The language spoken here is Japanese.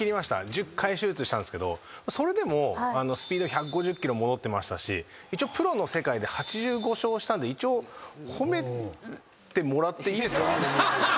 １０回手術したんですけどそれでもスピード１５０キロ戻ってましたし一応プロの世界で８５勝したんで褒めてもらっていいですか？